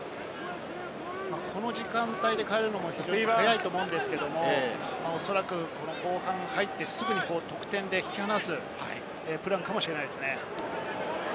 この時間帯で代えるのは早いと思うんですけれども、おそらく後半入ってすぐに得点で引き離すプランかもしれないですね。